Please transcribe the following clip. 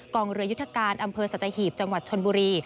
กองเรือยุทธการอำเภอสัตหีบจังหวัดชนบุรี